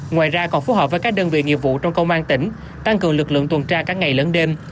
ngoài ra còn phù hợp với các đơn vị nghiệp vụ trong công an tỉnh tăng cường lực lượng tuần tra cả ngày lẫn đêm